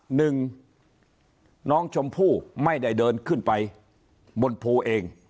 หนึ่งน้องชมพู่ไม่ได้เดินขึ้นไปบนภูเอง